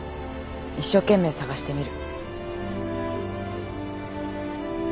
一生懸命探してみる。